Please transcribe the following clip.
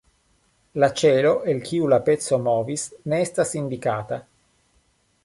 La ĉelo, el kiu la peco movis, ne estas indikata.